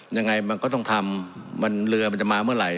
ยังไงมันก็ต้องทำมันเรือมันจะมาเมื่อไหร่